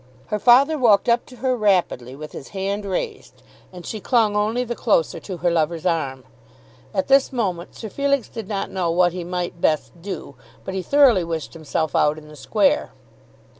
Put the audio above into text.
Her father walked up to her rapidly with his hand raised, and she clung only the closer to her lover's arm. At this moment Sir Felix did not know what he might best do, but he thoroughly wished himself out in the square.